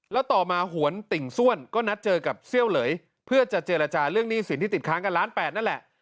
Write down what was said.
แล้วต่อมาหวนติ่งส้วนก็นัดเจอกับเซี่ยวเหลยเพื่อจะเจรจาเรื่องหนี้สินที่ติดค้างกันล้านแปดนั่นแหละ